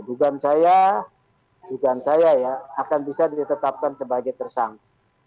dugaan saya akan bisa ditetapkan sebagai tersangka